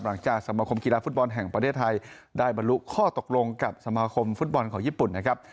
สมคมกีฬาฟุตบอลแห่งประเทศไทยได้บรรลุข้อตกลงกับสมาคมฟุตบอลของญี่ปุ่นนะครับ